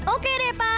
oke deh pa